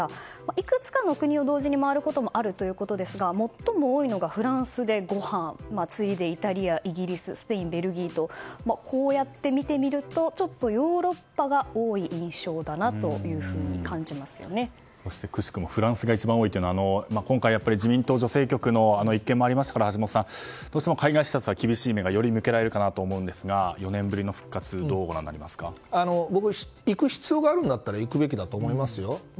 いくつかの国を同時に回ることもあるということですが最も多いのがフランスで５班次いでイタリアイギリス、スペイン、ベルギーとこうやって見てみるとヨーロッパが多い印象だとくしくもフランスが一番多いというのは今回自民党女性局の一件もありましたから橋下さん、どうしても海外視察には厳しい目が向けられると思いますが４年ぶりの復活を僕、行く必要があるんだったら行くべきだと思いますよ。